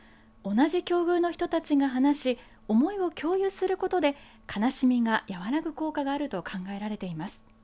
同じ境遇の人たちが話し思いを共有することで悲しみが和らぐ効果があると考えられています。